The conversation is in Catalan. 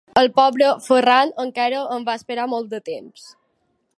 El pobre Ferran encara em va esperar molt de temps.